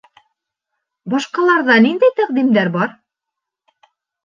Башҡаларҙа ниндәй тәҡдимдәр бар?